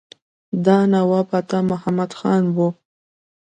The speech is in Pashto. دا نواب عطا محمد خان وو.